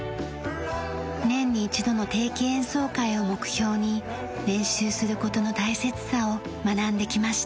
年に一度の定期演奏会を目標に練習する事の大切さを学んできました。